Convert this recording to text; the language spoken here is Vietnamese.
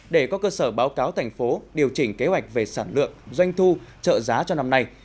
để có cơ sở báo cáo thành phố điều chỉnh kế hoạch về sản lượng doanh thu trợ giá cho năm nay